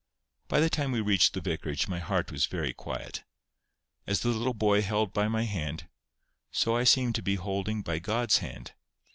By the time we reached the vicarage my heart was very quiet. As the little child held by my hand, so I seemed to be holding by God's hand.